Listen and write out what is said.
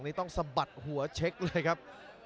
นี่ต้องสะบัดหัวเช็คเลยครับ